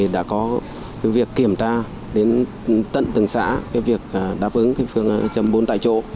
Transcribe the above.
đã có việc kiểm tra đến tận từng xã việc đáp ứng phương châm bốn tại chỗ